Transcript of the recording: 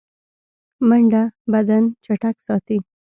منډه بدن چټک ساتي